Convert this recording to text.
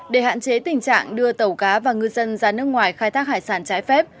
để hạn chế tình trạng đưa tàu cá và ngư dân ra nước ngoài khai thác hải sản trái phép